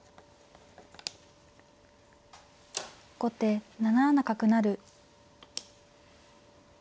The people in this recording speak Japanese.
後手７七角成。